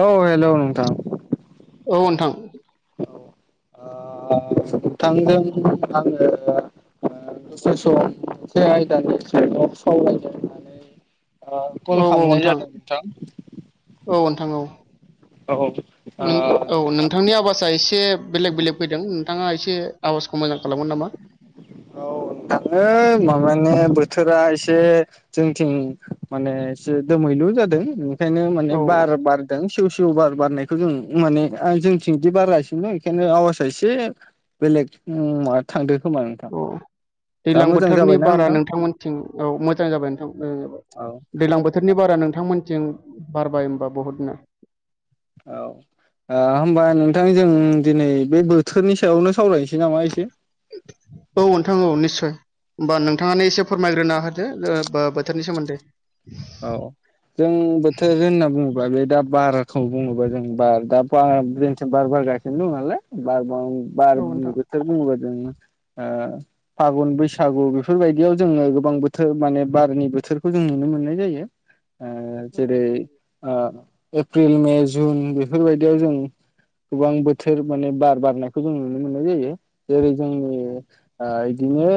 औ हेल' नोंथां। औ नोंथां। ओ नोंथांजों आंङो दसे सम मोनसे आइदानिसायाव सावरायनो होननानै ओ कल औ औ खालामनाय नोंथां जादों औ नोंथां औ। औ ओ नों औ नोंथां नोंथांनि आवासा एसे बेलेग बेलेग फैदों नोंथाङा एसे आवाजखौ मोजां खालामोगोन नामा? औ नोंथां माबानि बोथोरा एसे एसे जोंथिं माने एसे दोमैलु जादों। बेखायनो औ माने बार बारदों। सेव सेव बार बारनायखौ जों माने जोंथिं बिदि बारगासिनो बेखायनो आवाजा एसे बे बेलेग उम्म थांदो। खोमा नोंथां अ दा दैलां मोजां बोथोरनि जाबायना बारा नोंथां नोंथांमोनथिं औ मोजां जाबाय नोंथां मोजां जाबाय। औ दैलां बोथोरनि बारा नोंथांमोनथिं बारबाय होमबा बहुदनो। औ ओ होनबा नोंथां जों दिनै बे बोथोरनि सायावनो सावरायनोसै। नामा एसे औ नोंथां औ निस्सय। होमबा नोंथाङानो एसे फोरमायग्रोना होदो ओ बो-बोथोरनि सोमोन्दै। औ। जों बोथोर होनना बुङोब्ला बे दा बारखौ बुङोबा जों बार दा बार जोंथिं बार बार गासिनो दंनालाय बार बार औ बुं नोंथां [unintelligible] जों ओ फागुन बैसागु बेफोरबायदियाव जोङो गोबां बोथो माने बारनि बो थोरखौ जों नुनो मोननाय जायो ओ उम जेरै ओ एप्रिल मे जुन बेफोरबायदियाव जों गोबां बोथोर माने बार बारनायखौ जों नुनो मोननाय जायो जेरै जोंनि ओ इदिनो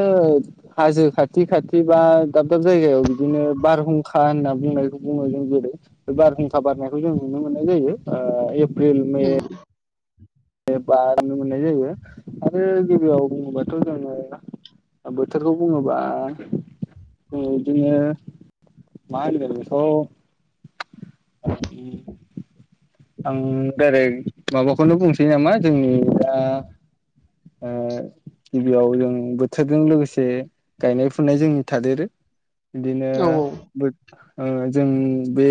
हाजो खाथि खाथि बा दाब दाब जायगायाव बिदिनो बारहुं खा होनना बुंनायखौ बुङो जों जेरै बे बारहुंखा बारनायखौ जों नुनो मोननाय जायो ओ प्रिल, मे बार नुनो मोननाय जायो आरो गिबियाव बुङोबाथ' जोङो बोथोरखौ बुङोबा ओ बिदिनो मा होनगोन बेखौ ओम आं दाइरेक माबाखौनो बुंसै सै नामा जोंनि दा ओ गिबियाव जों बोथोरजों लोगोसे गायनाय फुनाय जोंनि थादेरो। बिदिनो औ बो ओ जों बे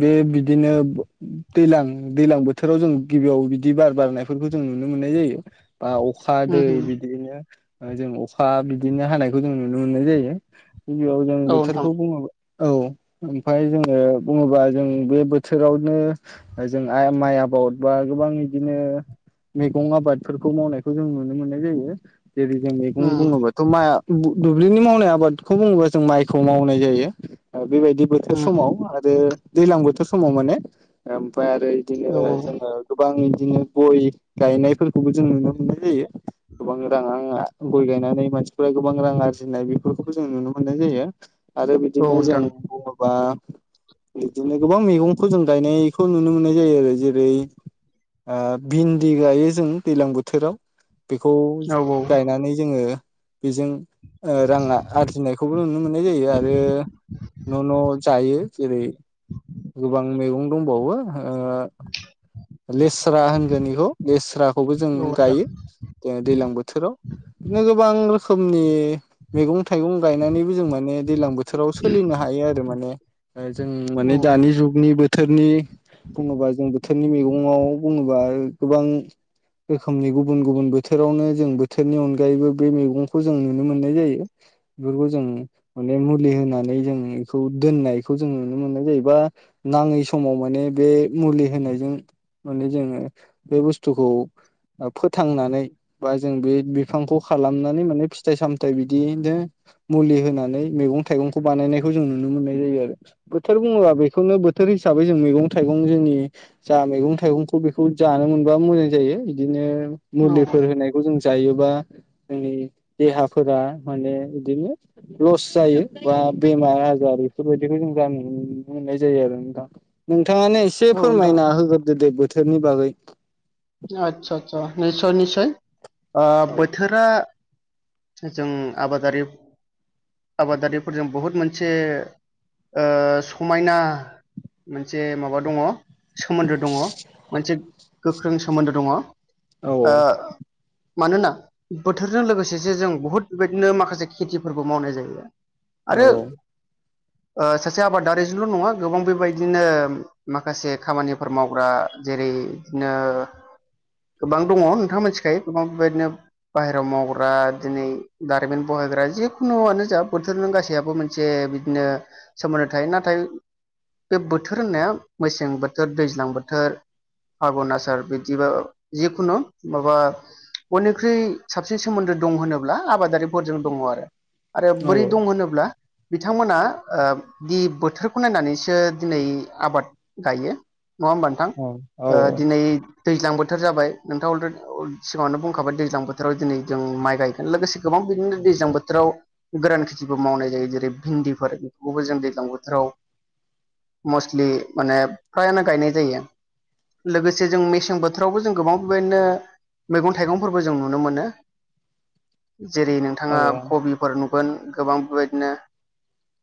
बे बिदिनो दैलां दैलां बोथोराव जों गिबियाव औ बिदि बार बारनायफोरखौ जों नुनो मोननाय जायो। बा अखा उम दै उम बिदिनो जों अखा बिदिनो हानायखौ जों नुनो मोननाय जायो। गिबियाव जों औ नोंथां बोथोरखौ बुङोब्ला औ। ओमफाय जोङो बुङोबा जों बे बोथोरावनो जों आइ माइ आबाउद बा गोबां बिदिनो मैगं आबादफोरखौ मावनायखौ जों नुनो मोननाय जायो। जेरै जों मैगं उम बुङोबाथ' माया उ दुब्लिनि मावनाय आबादखौ बुङोबा जों माइखौ मावनाय जायो। ओ बेबायदि बोथोर उम समाव आरो दैलां बोथोर समाव माने ओम फ्राय आरो इदिनो औ जोङो गोबां इदिनो गय गायनायफोरखौबो जों नुनो मोननाय जायो। गोबां राङाआ गय गायनानै मानसिफोरा गोबां रां आरजिनाय बेफोरखौबो जों नुनो मोननाय जायो। आरो औ बिदिनो जों नोंथां बुङोबा बिदिनो गोबां मैगंखौ जों गायनायखौ नुनो मोननाय जायो। जेरै ओ भिन्दि गायो जों दैलां बोथोराव बेखौ औ औ गायनानै जोङो बेजों ओ राङा आरजिनायखौबो नुनो मोननाय जायो। आरो न' न' जायो। जेरै गोबां मैगं दंबावो ओ [inaudible] लेस्रा होनगोन इखौ लेस्राखौबो जों नोंथां गायो। जोंहा दैलां बोथोराव। बिदिनो गोबां रोखोमनि मैगं थाइगं गायनानैबो जों माने दैलां बोथोराव सोलिनो हायो आरो माने। ओ जों माने औ दानि जुगनि बोथोरनि बुङोबा जों बोथोरनि मेगं खौ बुङोबा गोबां रोखोमनि गुबुन गुबुन बोथोरावनो जों बोथोरनि अनगायैबो बे मैगंखौ जों नुनो मोननाय जायो। बेफोरखौ जों अनेक मुलि होनानै जों एखौ दोननायखौ जों नुनो मोननाय जायो। बा नाङै समाव माने बे मुलि होनायजों माने जोङो बे बुस्थुखौ ओ फोथांनानै बा जों बे बिफांखौ खालामनानै माने फिथाइ सामथाय बिदिनो मुलि होनानै मेगं थाइगंखौ बानायनायखौ जों नुनो नो मोननाय जायो आरो। बोथोर बुङोबा बेखौनो बोथोर हिसाबै जों मैगं थाइगं जोंनि जा मैगं थाइगंखौ बेखौ जानो मोनबा मोजां जायो। बिदिनो औ औ मुलिफोर होनायखौ जों जायोबा जोंनि देहाफोरा माने इदिनो लस जायो। बा बेमार आजार बेफोरबायदिखौ [unintelligible] जायो आरो नोंथां नों थाङानो एसे नोंथां फोरमायना होग्रोदो दे बोथोरनि बागै आतसा आतसा निसय निसय। ओ औ बोथोरा जों आबादारि आबादारिफोरजों बहुद मोनसे ओ समायना मोनसे माबा दङ'। सोमोन्दो दङ' मोनसे गोख्रों सोमोन्दो दङ'। ओ औ मानोना बोथोरजों लोगोसेसो जों बुहुद बेबायदिनो माखासे खेथिफोरबो मावनाय जायो। औ। आरो ओ सासे आबादारिजोल' नङा गोबां बेबायदिनो माखासे खामानिफोर मावग्रा जे रै इदिनो गोबां दङ' नोंथाङा मोनथिखायो गोबां बेबायदिनो बाहेराव मावग्रा दिनै दारिमिन बहाय ग्रा जिखुनुआनो जा बोथोरजों गासैयाबो मोनसे बिदिनो सोमोन्दो थायो। नाथाय बे बोथोर होननाया मेसें बोथोर दैज्लां बोथोर आघुन आसार बिदिबा जिखुनु माबा। बयनिख्रुइ साबसिन सोमोन्दो दं होनोब्ला आबादारिफोरजों दङ आरो। आरो औ बोरै दं होनोब्ला। बिथांमोना ओ दि बोथोरखौ नायनानैसो दिनै आबाद गायो। नआ होमबा नोंथां औ ओ दिनै। दैज्लां बोथोर जाबाय नोंथाङा [unintelligible] सिगाङावनो बुंखाबाय दैज्लां बोथोराव दिनै जों माइ गायगोन लोगोसे गोबां। बिदिनो दैज्लां बोथोराव गोरान खेथिबो मावनाय जायो जेरै भिन्दिफोर बेफोरखौबो जों दैज्लां बोथोराव [inaudible] मसलि माने फ्रायानो गायनाय जायो, लोगोसे जों मे सें बोथोरावबो जों गोबां बेबायदिनो मैगं थाइगंफोरबो जों नुनो मोनो जेरै औ नोंथाङा कबिफोर नुगोन गोबां बेबायदिनो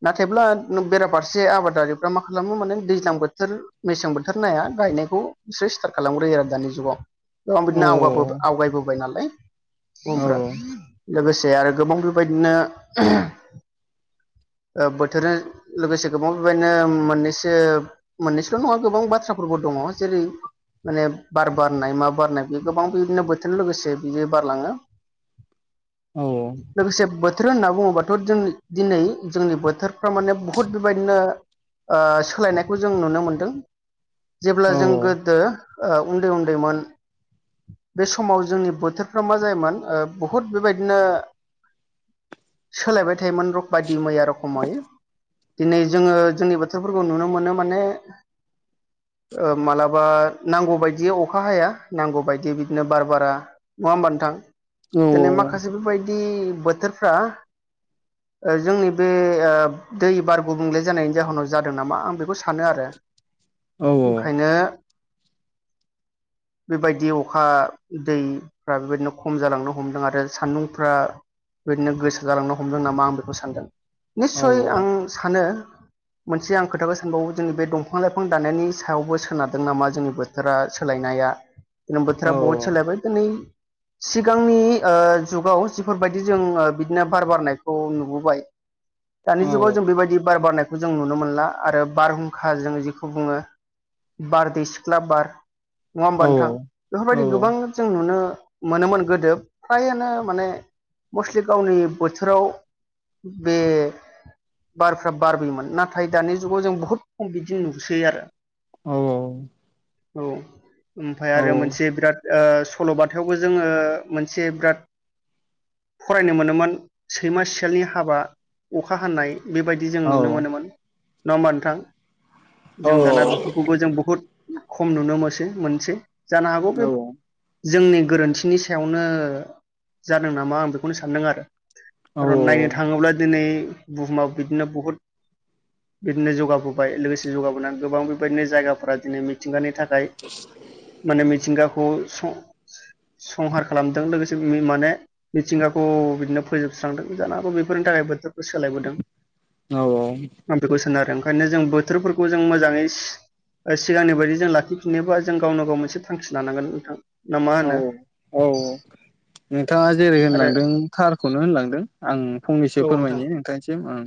नाथायब्ला बेराफारसे आबादारिफ्रा मा खालामो माने दैज्लां बोथोर, मेसें बोथोर नाया गायनायखौ बिसोरो स्टार्ट खालामग्रोयो आरो दानि जुगाव गोबां औ बिदिनो आवगा आवगायबोबाय नालाय। औ बुहुमफ्रा लोगोसे आरो गोबां बेबायदिनो [inaudible] [inaudible] बोथोर लोगोसे गोबां बेबायदिनो मोननैसो मोननैसल' नङा गोबां बाथ्राफोरबो दं दङ जेरै माने। बार बारनाय मा बारनाय बे गोबां बिदिनो बोथोरजों लोगोसे बियो बारलाङो। औ लोगोसे बो थोर होनना बुङोबाथ' जों दिनै जोंनि बोथोरफ्रा माने बुहुद बेबायदिनो। ओ सोलायनायखौ जों नुनो मोनदों। जेब्ला औ जों गोदो उन्दै उन्दैमोन। बे समाव जोंनि बोथोरफ्रा मा जायोमोन, ओ बहुद बेबायदिनो। सोलायबाय थायोमोन रक बाददि मैया रखमै। दिनै जोङो जोंनि बोथोरफोरखौ नुनो मोनो माने ओ मालाबा नांगौ बाय दि अखा हाया, नांगौ बायदि बिदिनो बार बारा नङा होमबा नोंथां? औ दिनै माखासे बेबायदि बोथोरफ्रा जोंनि बे दै, बार, गुबुंले जानायनि जाहोनाव जादों नामा आं बेखौ सानो आरो। ओंखायनो [inaudible] बेबायदि अखा दैफ्रा बेबायदिनो खम जालांनो हमदों आरो सान्दुंफ्रा बेदिनो गोसो जालांनो हमदों नामा आं बेखौ सानदों। निस्सय आं सानो। मोनसे आं खोथाखौ सानबावो जोंनि बे दंफां- लाइफां दानायनायनि सायावबो सोनारदों नामा जोंनि बो थोरा सोलायनाया दिनै बोथोरा बहुद सोलायबाय दिनै सिगांनि ओ जुगाव जिफोरबायदि जों बिदिनो बार बारनायखौ नुबोबाय। [inaudible] दानि जुगाव जों बेबायदि बार बारनाय खौ जों नुनो मोनला आरो बारहुंखाजों जेखौ बुङो बारदै सिख्ला बार नङा होमबा नोंथां? बेफोरबायदि गोबां जों नुनो मोनोमोन गोदो फ्रायानो माने मसलि गावनि बोथोराव बे बारफ्रा बारबोमोन नाथाय दानि जुगाव जों बुहुद खम बिदि नुसै आरो। औ औ औ ओमफ्राय आरो मोनसे बिराद। ओ सल'बाथायावबो जोङो मोनसे बिराद। फरायनो मोनोमोन सैमा सियालनि हाबा अखा हानाय बेबायदि जों नुनो मोनोमोन नङा होमबा नोंथां, जों दाना बेफोरखौबो जों बहुद। खम नुनो मोनसै मोनसै जानो हागौ बे जोंनि गोरोन्थिनि सायावनो जादों नामा आं बेखौनो सानदों आरो। र' नायनो थाङोब्ला दिनै बुहुमाव बिदिनो बहुद बिदिनो जौगाबोबाय लोगोसे जौगाबोनानै गोबां बेबायदिनो जायगाफोरा दिनै मि थिंगानि थाखाय माने मिथिंगाखौ स संहार खालामदों लोगोसे माने मिथिंगाखौ बिदिनो फोजोबस्रांदों जानो हागौ बेफोरनि थाखाय बोथोरखौ सोलायबोदों। औ औ आं बेखौ सानो आरो ओंखायनो जों बोथोरफोरखौ जों मोजाङै सि सिगांनि बायदि जों लाखिफिननोबा जों गावनो गाव मोनसे थांखि लानांगोन नोंथां। ना मा औ होनो औ औ नोंथाङा जेरै आरो होनलांदों थारखौनो होनलांदों आं फंनैसो औ नोंथां फोरमायनि नोंथांनिसिम ओं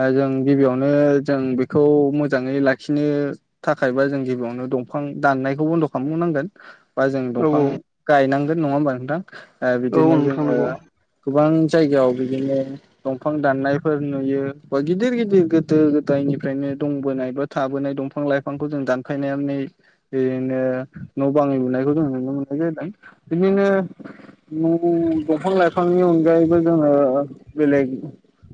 ओ जों गिबियावनो जों बेखौ मोजाङै लाखिनो थाखायबा जों गिबियावनो दंफां दाननायखौ बन्द खामथनांगोन बा जों औ फां औ गायनांगोन नङा होमबा नोंथां ओ औ बिदिनो नोंथां जोङो नंगौ गोबां जायगायाव बिदिनो दंफां दाननायफोर नुयो बा गिदिर गिदिर गोदो गोदायनिफ्रायनो दंबोनाय बा थाबोनाय दंफां लाइफांखौ जों दानफायनानै ओ बिदिनो न' बां लुनायखौ जों नुनो मोननाय जादों बिदिनो न' दंफां लाइफांनि अनगायैबो जोङो बेलेग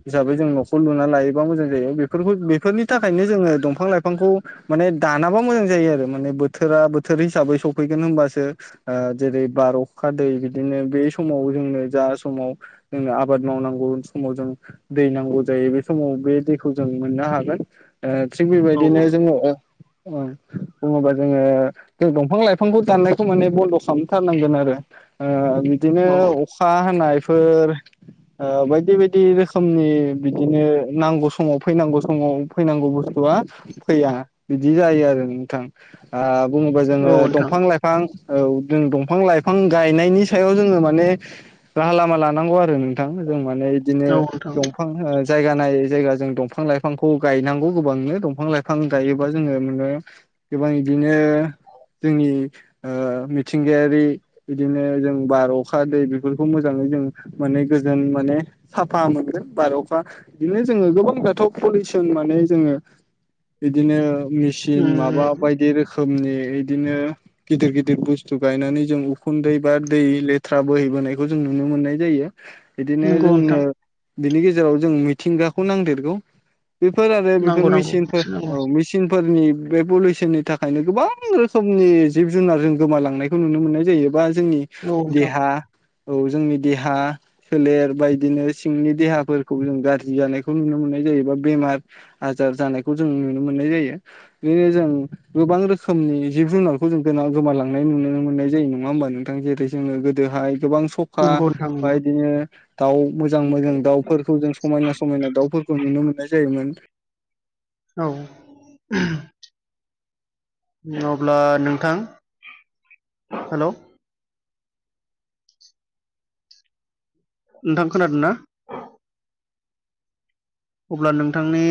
हिसाबै जों न'खौ लुना लायोबा मोजां जायो बेफोरखौ बेफोरनि थाखायनो जोङो दंफां लाइफांखौ माने दानाबा मोजां जायो आरो माने बोथोरा बोथोर हिसाबै सफैगोन होमबासो ओ जेरै बार अखा दै बिदिनो बे समाव जोंनो जा समाव जोंनो आबाद मावनांगौ गुबुन समाव जों दै नांगौ जायो बे समाव बे दैखौ जों मोननो हागोन। ओ थिग औ बेबायदिनो जोङो ओ बुङोबा जोङो जों दंफां लाइफांखौ दाननायखौ माने बन्द' खामथारनांगोन आरो ओ बिदिनो औ अखा हानायफोर ओ बायदि बायदि रोखोमनि बिदिनो नांगौ समाव फैनांगौ समाव फैनांगौबो गौआ फैया बिदि जायो आरो नोंथां ओ बुङोबा औ जोङो नोंथां दंफां लाइफां औ जों दंफां लाइफां गायनायनि सायाव जोङो माने राहा लामा लानांगौ आरो नोंथां जों माने बिदिनो औ नोंथां दंफां ओ जायगा नायै जायगा जों दंफां लाइफांखौ गायनांगौ गोबांनो दंफां लाइफां गायोबा जोङो गोबां इदिनो जोंनि ओ थिंगायारि बिदिनो जों बार अखा दै बेफोरखौ मोजाङै जों माने गोजोन माने साफा मोनगोन बार अखा बिदिनो जोङो गोबां दाथ' पलिउसन माने जोङो बिदिनो मेचिन उम माबा बायदि रोखोमनि इदिनो गिदिर गिदिर बुस थु गायनानै जों उखुन्दै बा दै लेथ्रा बोहैबोनायखौ जों नुनो मोननाय जायो। बिदिनो नंगौ जोंनो नोंथां बिनि गेजेराव जों मिथिंगाखौ नांदेरगौ बेफोर आरो बेफोर नांगौ नांगौ मेसिनफोर एसे औ नांगौ मेसिन फोरनि बे पलिउसननि थाखायनो गोबां रोखोमनि जिब जुनार जों गोमालां लांनायखौ नुनो मोननाय जायो बा जोंनि औ नोंथां देहा औ जोंनि देहा सोलेर बायदिनो सिंनि देहाफोरखौ जों गारजि जानायखौ नुनो मोनो जेनेबा बेमार आजार जानायखौ जों नुनो मोननाय जायो बिदिनो जों गोबां रोखोम जोंनि जिब जुनारखौ जों गोमालांनाय नुनो मोननाय जायो नङा होमबा नोंथां जेरै जोङो गोदोहाय गोबां सखा नंगौ नोंथां बा नंगौ इदिनो दाउ मोजां मोजां दाउफोरखौ जों समायना समायना दाउफोरखौ नुनो मोननाय जायोमोन। औ अब्ला नोंथां हेल' नोंथां खोनादों ना? अब्ला नोंथांनि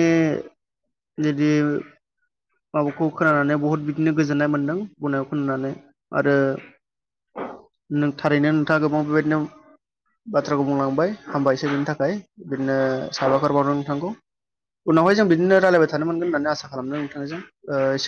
जुदि माबाखौ खोनानानै बहुद बिदिनो गोजोननाय मोन्दों बुंनायखौ खोनानानै आरो नों थारैनो नोंथाङा गोबां बेबायदिनो बाथ्राखौ बुंलांबाय हामबायसै बिनि थाखाय बिदिनो साबायखर बाव नंगौ उनावहाय जों बिदिनो रायलायबाय थानो मोनगोन होननानै आसा खालामदों नोंथांजों